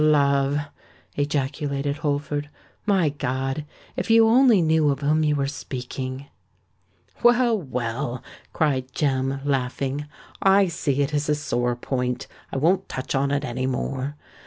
"Love!" ejaculated Holford. "My God! if you only knew of whom you were speaking!" "Well—well," cried Jem, laughing; "I see it is a sore point—I won't touch on it any more.